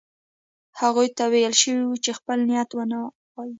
هغوی ته ویل شوي وو چې خپل نیت ونه وايي.